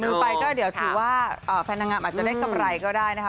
ถ้าเกิดว่าเปลี่ยนมือไปก็ถือว่าแฟนนางงามอาจจะได้กำไรก็ได้นะคะ